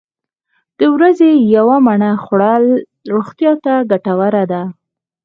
د ورځې یوه مڼه خوړل روغتیا ته ګټوره ده.